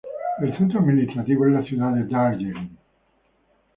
El centro administrativo es la ciudad de Darjeeling.